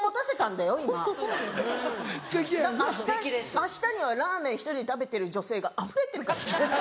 明日にはラーメン１人で食べてる女性があふれてるからね？